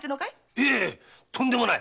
いえとんでもない！